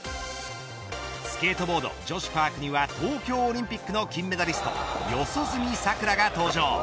スケートボード女子パークには東京オリンピックの金メダリスト四十住さくらが登場。